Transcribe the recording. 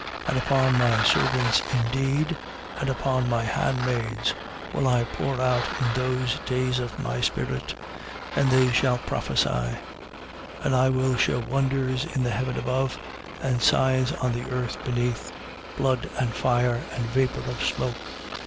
And upon my servants indeed and upon my handmaids will I pour out in those days of my spirit: and they shall prophesy. 2:19. And I will shew wonders in the heaven above, and signs on the earth beneath: blood and fire, and vapour of smoke. 2:20.